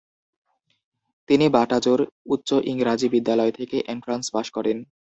তিনি বাটাজোড় উচ্চ ইংরাজী বিদ্যালয় থেকে এন্ট্রান্স পাশ করেন।